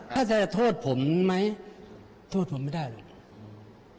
ถ้าจะโทษผมไหมโทษผมไม่ได้หรอก